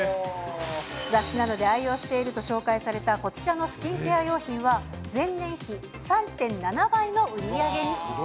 雑誌などで愛用していると紹介されたこちらのスキンケア用品は、前年比３．７倍の売り上げに。